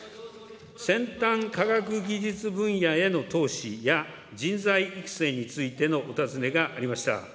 先端科学技術分野への投資や、人材育成についてのお尋ねがありました。